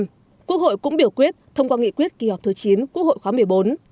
trong đó quốc hội cũng biểu quyết thông qua nghị quyết kỳ họp thứ chín quốc hội khóa một mươi bốn